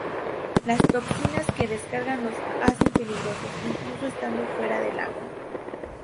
Las toxinas que descargan los hacen muy peligrosos, incluso estando fuera del agua.